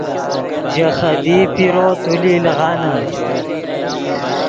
ژے خدیئی پیرو تولی لیغانے